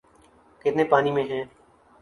‘ کتنے پانی میں ہیں۔